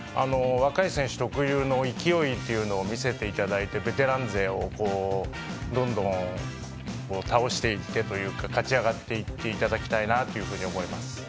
若い選手特有の勢いというのを見せていただいてベテラン勢をどんどん倒していってというか勝ち上がっていただきたいと思います。